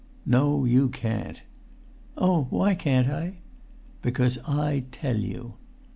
"No, you can't." "Oh! why can't I?" "Because I tell you."